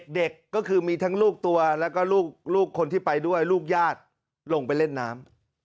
เด็กก็คือมีทั้งลูกตัวแล้วก็ลูกคนที่ไปด้วยลูกญาติลงไปเล่นน้ำ